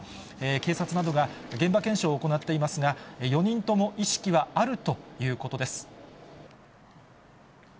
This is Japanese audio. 警察などが現場検証を行っていますが、４人とも意識はあるということです。